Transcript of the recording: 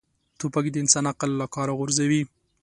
توپک د انسان عقل له کاره غورځوي.